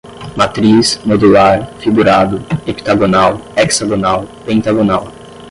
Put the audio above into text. matriz, modular, figurado, heptagonal, hexagonal, pentagonal